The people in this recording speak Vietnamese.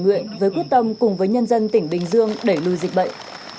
nguyện với quyết tâm cùng với nhân dân tỉnh bình dương để lưu dịch bệnh